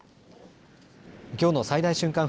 きょうの最大瞬間